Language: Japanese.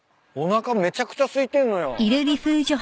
おなかめちゃくちゃすいてんのよ。